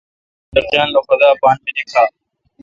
تبلیغیان لو خدا اے پان مے°نیکا۔